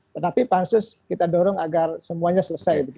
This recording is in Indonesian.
tetapi pansus kita dorong agar semuanya selesai